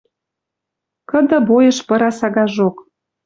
Кыды бойыш пыра сагажок.